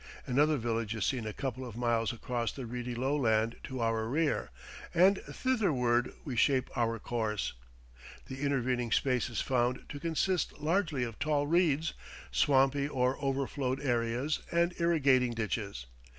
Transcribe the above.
Another village is seen a couple of miles across the reedy lowland to our rear, and thitherward we shape our course. The intervening space is found to consist largely of tall reeds, swampy or overflowed areas, and irrigating ditches.